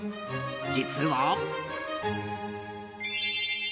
実は。